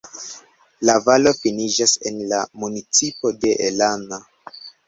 La valo finiĝas en la "municipo" de Lana.